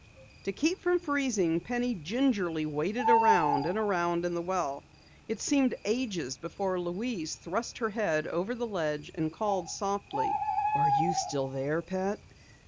To keep from freezing, Penny gingerly waded around and around in the well. It seemed ages before Louise thrust her head over the ledge and called softly: "Are you still there, pet?"